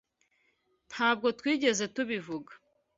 Ntabwo twigeze tubivuga.